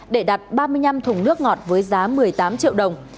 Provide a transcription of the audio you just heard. để đặt ba mươi năm thùng nước ngọt với giá một mươi tám triệu đồng